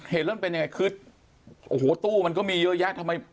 เหตุเรื่องเป็นยังไงคือโอ้โหตู้มันก็มีเยอะแยะ